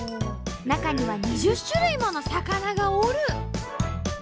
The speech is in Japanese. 中には２０種類もの魚がおる！